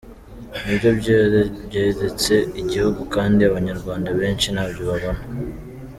Nibyo byoretse igihugu kandi abanyarwanda benshi ntabyo babona.